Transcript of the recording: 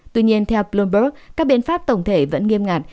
tuy nhiên theo bloomberg các biện pháp tổng thể vẫn nghiêm ngặt